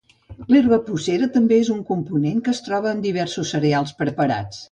L'herba pucera també és un component que es troba en diversos cereals preparats.